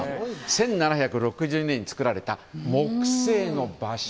１７６２年に作られた木製の馬車。